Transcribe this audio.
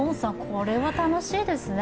これは楽しいですね。